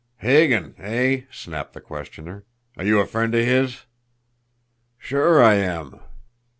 "Hagan, eh!" snapped the questioner. "Are you a friend of his?" "Sure, I am!"